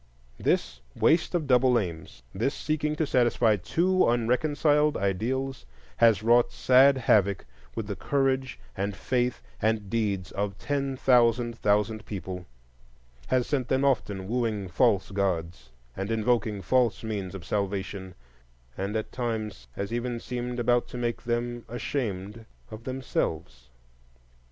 This waste of double aims, this seeking to satisfy two unreconciled ideals, has wrought sad havoc with the courage and faith and deeds of ten thousand thousand people,—has sent them often wooing false gods and invoking false means of salvation, and at times has even seemed about to make them ashamed of themselves.